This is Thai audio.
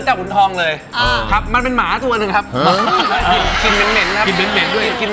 จัดไม่ได้แล้วเนี่ย